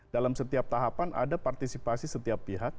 dalam setiap tahapan ada partisipasi setiap pihak